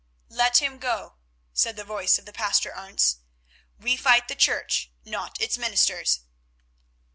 "Let him go," said the voice of the Pastor Arentz. "We fight the Church, not its ministers."